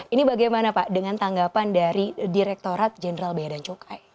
ini bagaimana pak dengan tanggapan dari direktorat jenderal bea dan cukai